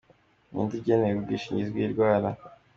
Ni nde ugenewe ubwishingizi bw’indwara ?.